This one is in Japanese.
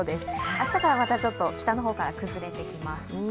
明日から、また北の方から崩れてきます。